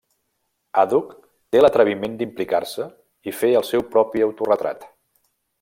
Àdhuc, té l'atreviment d'implicar-se i fer el seu propi autoretrat.